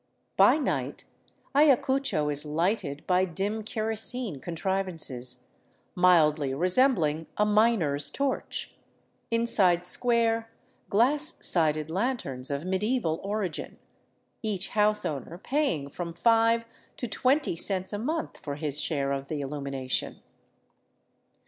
By night Ayacucho is " lighted " by dim kerosene contrivances, mildly resembling a miner's torch, inside square, glass sided lanterns of medieval origin, each house owner paying from five to twenty cents a month for his share of the illumination.